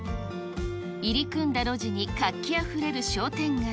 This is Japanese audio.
入り組んだ路地に活気あふれる商店街。